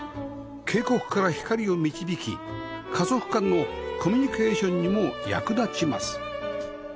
渓谷から光を導き家族間のコミュニケーションにも役立ちます